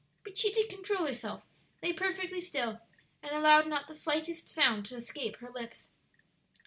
But she did control herself, lay perfectly still, and allowed not the slightest sound to escape her lips.